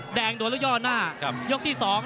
ยกแรกโดนแล้วย่อหน้ายกที่สอง